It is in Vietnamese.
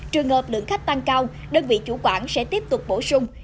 trường hợp lượng khách tăng cao đơn vị chủ quản sẽ tiếp tục bổ sung